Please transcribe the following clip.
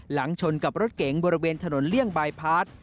ชนกับรถเก๋งบริเวณถนนเลี่ยงบายพาร์ท